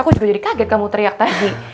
aku juga jadi kaget kamu teriak tadi